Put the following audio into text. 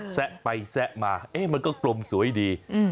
แซะไปแซะมามันก็กลมสวยดี